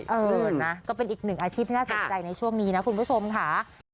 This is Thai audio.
เออนะก็เป็นอีกหนึ่งอาชีพที่น่าสนใจในช่วงนี้นะคุณผู้ชมค่ะ